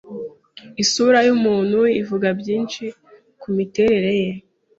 Isura yumuntu ivuga byinshi kumiterere ye.